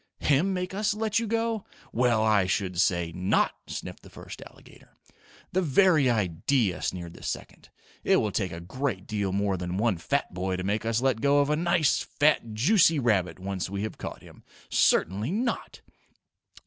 Him make us let you go? Well, I should say NOT!" sniffed the first alligator. "The very idea" sneered the second. "It will take a great deal more than one fat boy to make us let go of a nice, fat, juicy rabbit once we have caught him. Certainly NOT!"